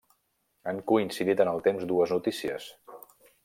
Han coincidit en el temps dues noticies.